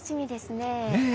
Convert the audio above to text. ねえ！